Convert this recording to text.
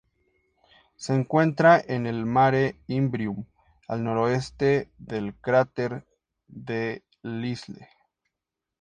Se encuentra en el Mare Imbrium, al noreste del cráter Delisle.